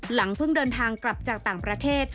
เพิ่งเดินทางกลับจากต่างประเทศ